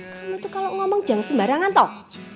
kamu tuh kalo ngomong jangan sembarangan toh